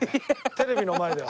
テレビの前では。